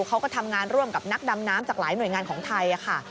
เขาก็ทำงานร่วมกับนักดำน้ำจากหลายหน่วยงานของไทยค่ะ